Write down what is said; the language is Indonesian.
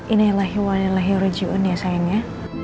inaylahi wanyalahi ruju'un ya sayangnya